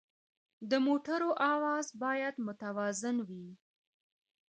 د موټر اواز باید متوازن وي.